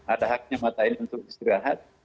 ada haknya matain untuk istirahat